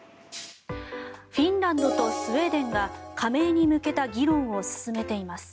フィンランドとスウェーデンが加盟に向けた議論を進めています。